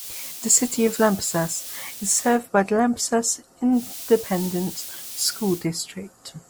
The city of Lampasas is served by the Lampasas Independent School District.